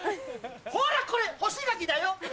ほらこれ干し柿だよ！